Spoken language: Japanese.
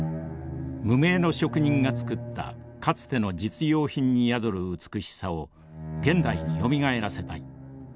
無名の職人が作ったかつての実用品に宿る美しさを現代によみがえらせたい。